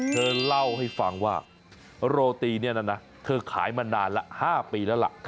เธอเล่าให้ฟังว่าโรตีเนี่ยนะเธอขายมานานละ๕ปีแล้วล่ะ